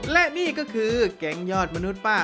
และนี่ก็คือแก๊งยอดมนุษย์ป้า